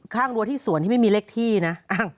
รั้วที่สวนที่ไม่มีเลขที่นะ